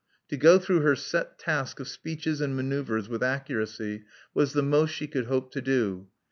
To go through her set task of speeches and manoeuvres with accuracy was the most she could hope to do.